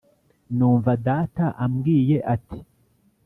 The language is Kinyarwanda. numva data ambwiye ati